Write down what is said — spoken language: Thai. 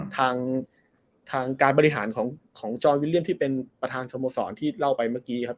ทางการบริหารของจอยวิลเลียนที่เป็นประธานสโมสรที่เล่าไปเมื่อกี้ครับ